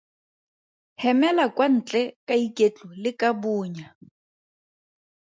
Hemela kwa ntle ka iketlo le ka bonya.